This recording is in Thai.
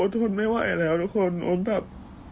ต้องไม่ไหวแล้วทุกคนเราแบบ